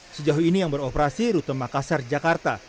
sejauh ini yang beroperasi rute makassar jakarta